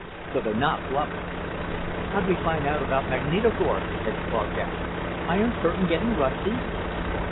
So they're not bluffing." "How'd we find out about Magnitogorsk?" Ed Clark asked. "Iron curtain getting rusty?"